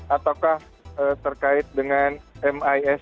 ataukah terkait dengan emosisi